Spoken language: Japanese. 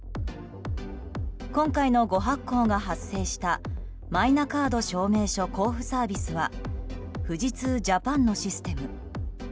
今回の誤発行が発生したマイナカード証明書交付サービスは富士通Ｊａｐａｎのシステム。